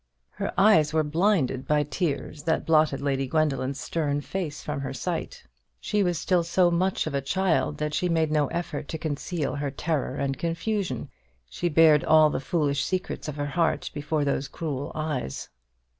Her eyes were blinded by tears, that blotted Lady Gwendoline's stern face from her sight. She was still so much a child, that she made no effort to conceal her terror and confusion. She bared all the foolish secrets of her heart before those cruel eyes.